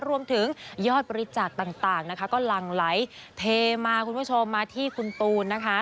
รวมถึงยอดบริจาคต่างก็ลังไลท์เทมาที่คุณตูนนะคะ